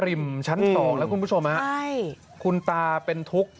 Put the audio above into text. ปริมชั้น๒แล้วคุณผู้ชมคุณตาเป็นทุกข์